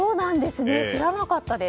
知らなかったです。